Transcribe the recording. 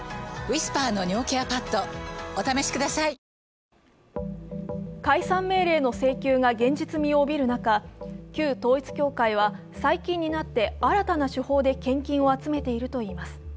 ニトリ解散命令の請求が現実味を帯びる中、旧統一教会は最近になって新たな手法で献金を集めているといいます。